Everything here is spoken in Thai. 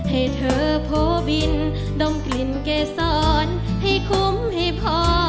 ให้เธอโพบินดมกลิ่นเกษรให้คุ้มให้พอ